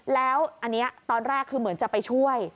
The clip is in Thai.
แล้วอันนี้ตอนแรกคือเหมือนจะไปช่วย